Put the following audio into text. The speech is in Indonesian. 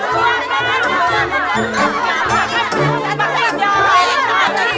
itu kan banyak